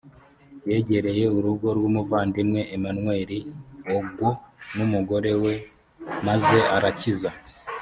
yegereye urugo rw umuvandimwe emmanuel ogwo n umugore we maze arakiza